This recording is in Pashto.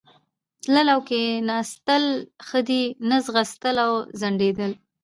تلل او کښېنستل ښه دي، نه ځغستل او ځنډېدل.